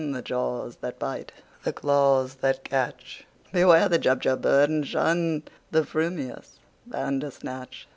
The jaws that bite, the claws that catch! Beware the Jubjub bird, and shunThe frumious Bandersnatch!"